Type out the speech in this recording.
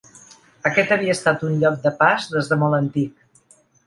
Aquest havia estat un lloc de pas des de molt antic.